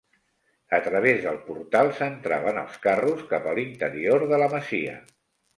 A través del portal s'entraven els carros cap a l'interior de la masia.